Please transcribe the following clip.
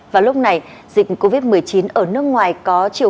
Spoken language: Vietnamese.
vào lúc này dịch covid một mươi chín ở nước ngoài có triệu hướng lớn